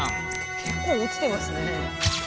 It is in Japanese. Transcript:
結構落ちてますね。